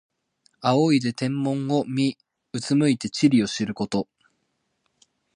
仰いで天文を見、うつむいて地理を知ること。